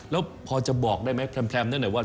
แล้วพอจะบอกได้ไหมแคมนั่นเนี่ยว่า